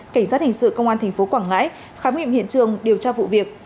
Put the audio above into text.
cảnh sát hình sự công an tp quảng ngãi khám nghiệm hiện trường điều tra vụ việc